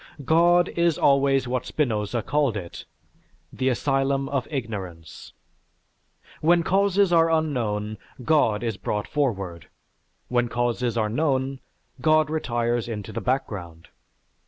God is always what Spinoza called it, "the asylum of ignorance." When causes are unknown, God is brought forward; when causes are known, God retires into the background.